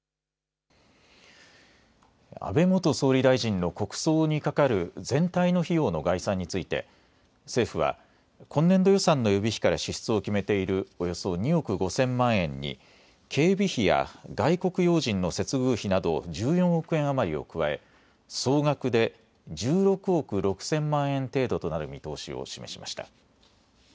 安倍元総理大臣の国葬にかかる全体の費用の概算について政府は今年度予算の予備費から支出を決めているおよそ２億５０００万円に警備費や外国要人の接遇費など１４億円余りを加え総額で１６億６０００万円程度となる見通しを示しました。